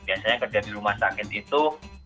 biasanya kerja di rumah sakit itu